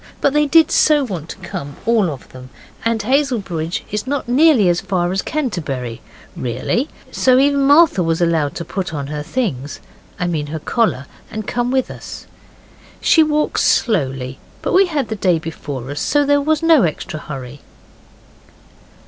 But they did so want to come, all of them, and Hazelbridge is not nearly as far as Canterbury, really, so even Martha was allowed to put on her things I mean her collar and come with us. She walks slowly, but we had the day before us so there was no extra hurry.